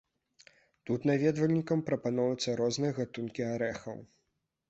Тут наведвальнікам прапаноўваюцца розныя гатункі арэхаў.